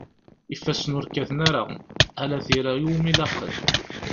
Ifassen ur kkaten ara, ala tira iwumi laqen.